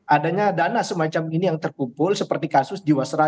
adanya dana semacam ini yang terkumpul seperti kasus jiwasra